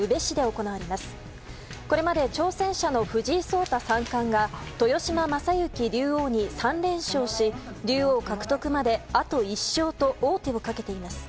これまで挑戦者の藤井聡太三冠が豊島将之竜王に３連勝し竜王獲得まで、あと１勝と王手をかけています。